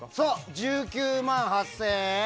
１９万８０００円。